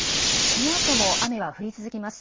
このあとも雨は降り続きます。